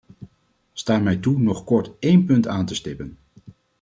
Sta mij toe nog kort één punt aan te stippen.